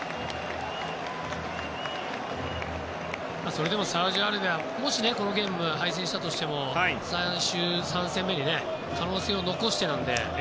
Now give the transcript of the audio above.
それでもサウジアラビアはもし、このゲームに敗戦しても最終３戦目に可能性を残してるので。